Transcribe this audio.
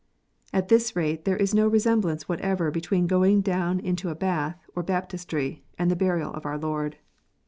At this rate there is no resemblance; whatever between going down into a bath, or baptistry, and the burial of our Lord.